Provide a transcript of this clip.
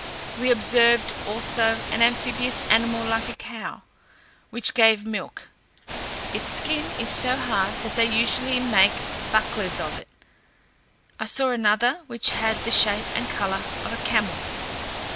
We observed also an amphibious animal like a cow, which gave milk; its skin is so hard, that they usually make bucklers of it. I saw another, which had the shape and colour of a camel.